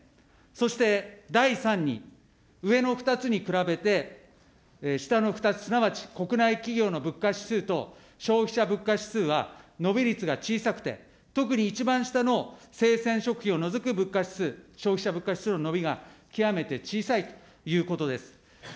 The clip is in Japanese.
そして第３に、上の２つに比べて下の２つ、すなわち国内企業の物価指数と消費者物価指数は伸び率が小さくて、特に一番下の生鮮食品を除く物価指数、消費者物価指数の伸びが極めて小さいということです。